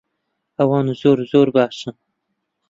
ئەوان زۆر زۆر باشن.